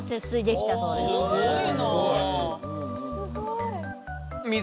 すごい！